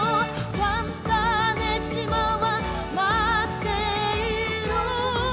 「ファンターネ島はまっている」